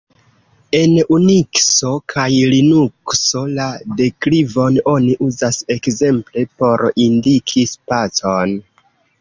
En Unikso kaj Linukso la deklivon oni uzas ekzemple por indiki spacon.